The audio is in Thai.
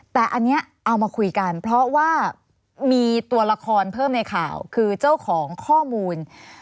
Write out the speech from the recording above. แต่อันนี้เอามาคุยกันเพราะว่ามีตัวละครเพิ่มในข่าวคือเจ้าของข้อมูล